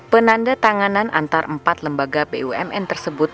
penanda tanganan antar empat lembaga bumn tersebut